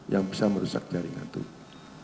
yang bisa merusak jaringan tubuh